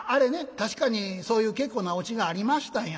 確かにそういう結構なオチがありましたんや。